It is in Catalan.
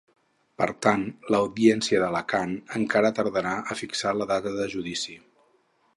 Per tant, l’audiència d’Alacant encara tardarà a fixar la data de judici.